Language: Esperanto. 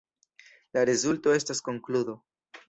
La rezulto estas konkludo.